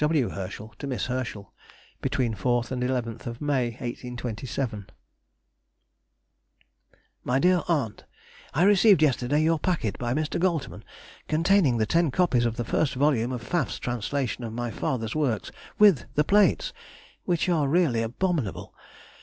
F. W. HERSCHEL TO MISS HERSCHEL. Between 4th and 11th May, 1827. MY DEAR AUNT,— I received yesterday your packet by Mr. Goltermann, containing the ten copies of the first vol. of Pfaff's translation of my father's works—with the plates, which are really abominable.